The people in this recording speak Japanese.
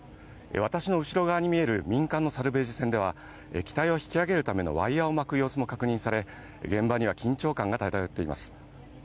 私の後ろ側に見える民間のサルベージ船では機体を引き揚げるためのワイヤを巻く様子も確認され、現場には緊張感が漂っています。